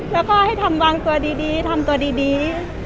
แล้วก็ให้ทำวางตัวดีทำตัวดี